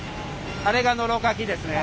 あれがノロかきですね。